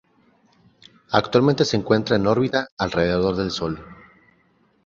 Actualmente se encuentra en órbita alrededor del Sol.